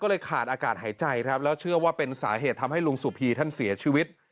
ก็เลยขาดอากาศหายใจครับแล้วเชื่อว่าเป็นสาเหตุทำให้ลุงสุพีท่านเสียชีวิต